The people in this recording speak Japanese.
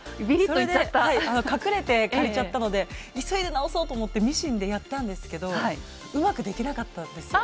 それで隠れて借りちゃったので急いで直そうと思ってミシンでやったんですけどうまくできなかったんですよね。